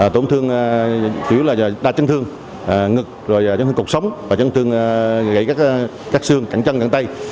tổn thương chủ yếu là đa chân thương ngực chân thương cục sống và chân thương gãy các xương cẳng chân cẳng tay